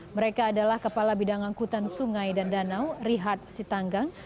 mereka adalah kepala bidang angkutan sungai dan danau rihat sitanggang